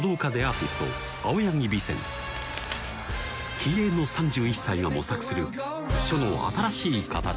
気鋭の３１歳が模索する書の新しいかたち